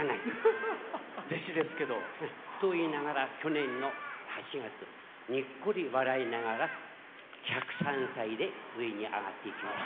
弟子ですけど。と言いながら去年の８月にっこり笑いながら１０３歳で上に上がっていきました。